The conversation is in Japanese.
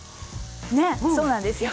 ねえそうなんですよ。